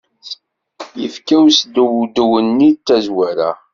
Yekfa usdewdew-nni n tazwara!